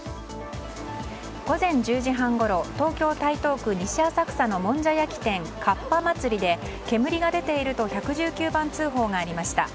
午前１０時半ごろ東京・台東区西浅草のもんじゃ焼き店、かっぱ祭りで煙が出ていると１１９番通報がありました。